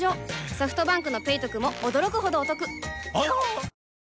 ソフトバンクの「ペイトク」も驚くほどおトクわぁ！